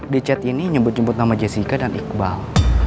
di chat ini nyebut nyebut nama jessica dan iqbal